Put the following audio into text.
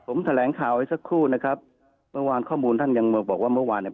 ผมแถลงข่าวไว้สักครู่นะครับเมื่อวานข้อมูลท่านยังบอกว่าเมื่อวานเนี่ย